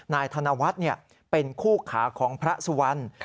นายธนวัฒน์เนี่ยเป็นคู่ขาของพระสุวรรณ